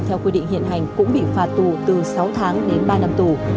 theo quy định hiện hành cũng bị phạt tù từ sáu tháng đến ba năm tù